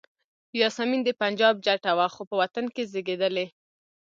یاسمین د پنجاب جټه وه خو په وطن کې زیږېدلې.